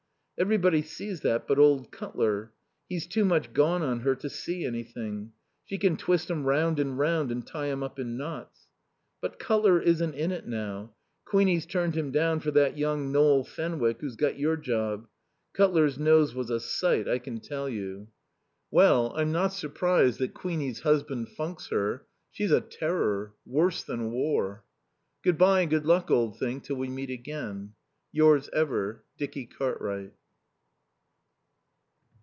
Everybody sees that but old Cutler. He's too much gone on her to see anything. She can twist him round and round and tie him up in knots. But Cutler isn't in it now. Queenie's turned him down for that young Noel Fenwick who's got your job. Cutler's nose was a sight, I can tell you. Well, I'm not surprised that Queenie's husband funks her. She's a terror. Worse than war. Good bye and Good Luck, Old Thing, till we meet again. Yours ever, Dicky Cartwright.